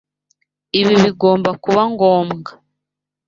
Ibi bigomba kuba ngombwa.